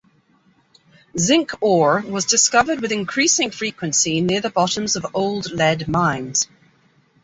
Zinc ore was discovered with increasing frequency near the bottoms of old lead mines.